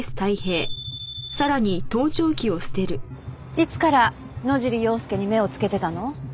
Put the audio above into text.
いつから野尻要介に目をつけてたの？